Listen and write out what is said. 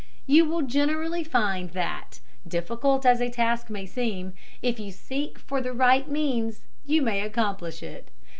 You will generally find that, difficult as a task may seem, if you seek for the right means you may accomplish it.